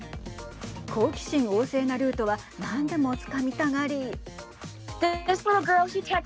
好奇心旺盛なルートは何でもつかみたがり。